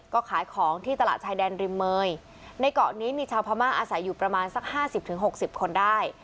ก็ขายของที่ตลาดชายแดนริมเมยในเกาะนี้มีชาวพม่าอาศัยอยู่ประมาณสักห้าสิบถึงหกสิบคนได้